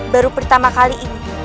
baru pertama kali ini